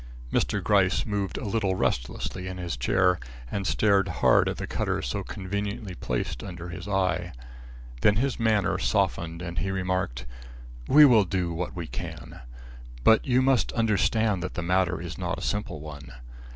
Mr. Gryce moved a little restlessly in his chair and stared hard at the cutter so conveniently placed under his eye. Then his manner softened and he remarked: "We will do what we can. But you must understand that the matter is not a simple one.